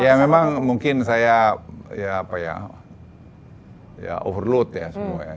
ya memang mungkin saya overload ya